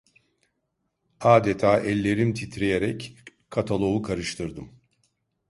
Adeta ellerim titreyerek katalogu karıştırdım.